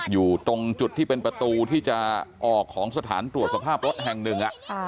อยู่ตรงจุดที่เป็นประตูที่จะออกของสถานตรวจสภาพรถแห่งหนึ่ง